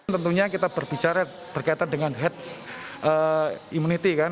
tentunya kita berbicara berkaitan dengan head immunity kan